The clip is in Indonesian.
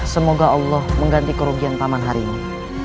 semoga allah mengganti kerugian paman hari ini